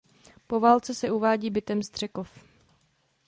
Po válce se uvádí bytem Střekov.